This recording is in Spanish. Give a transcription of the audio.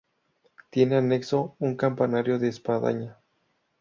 Tiene anexo un campanario de espadaña.